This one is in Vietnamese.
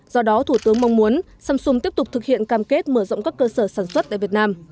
do đó thủ tướng mong muốn samsung tiếp tục thực hiện cam kết mở rộng các cơ sở sản xuất tại việt nam